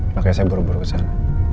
makanya saya buru buru kesana